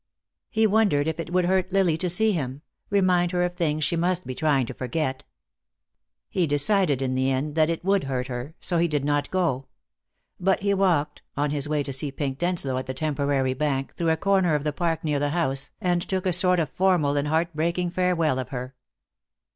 He wondered if it would hurt Lily to see him, remind her of things she must be trying to forget. He decided in the end that it would hurt her, so he did not go. But he walked, on his way to see Pink Denslow at the temporary bank, through a corner of the park near the house, and took a sort of formal and heart breaking farewell of her.